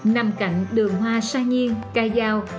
nằm cạnh đường hoa sa nhiên cao giao